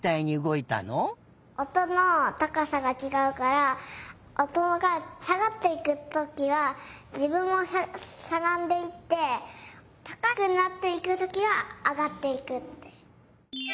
おとのたかさがちがうからおとがさがっていくときはじぶんもしゃがんでいってたかくなっていくときはあがっていくって。